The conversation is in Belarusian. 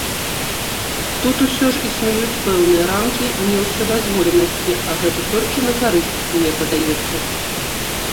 Тут усё ж існуюць пэўныя рамкі неўсёдазволенасці, а гэта толькі на карысць, мне падаецца.